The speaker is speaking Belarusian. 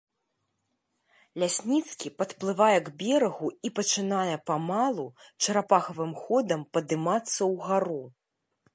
Лясніцкі падплывае к берагу і пачынае памалу, чарапахавым ходам падымацца ўгару.